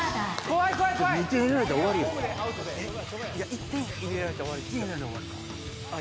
１点入れられたら終わりですよあっ